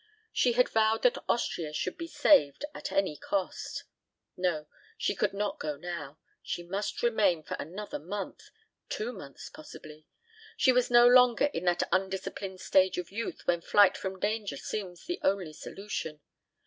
She had vowed that Austria should be saved at any cost. No, she could not go now. She must remain for another month two months, possibly. She was no longer in that undisciplined stage of youth when flight from danger seems the only solution.